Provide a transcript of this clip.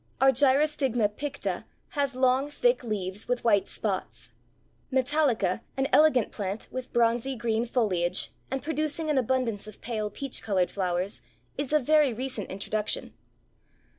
Argyrostigma picta has long, thick leaves, with white spots. Metallica, an elegant plant with bronzy green foliage, and producing an abundance of pale peach colored flowers, is of very recent introduction.